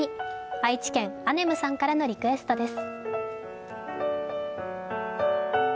愛知県、アネムさんからのリクエストです。